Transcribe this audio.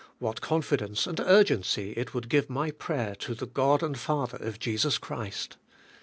What confidence and urgency it would give my prayer to the God and Father of Jesus Christ!